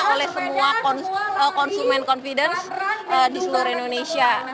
oleh semua konsumen confidence di seluruh indonesia